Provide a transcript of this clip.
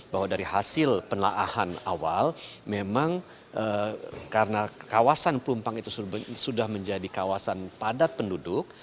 bahwa dari hasil penelaahan awal memang karena kawasan pelumpang itu sudah menjadi kawasan padat penduduk